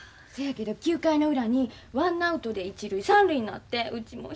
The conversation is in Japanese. そやけど９回の裏にワンアウトで一塁三塁になってうち